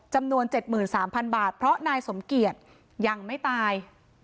จำนวน๗๓๐๐๐บาทเพราะนายสมเกียจยังไม่ตาย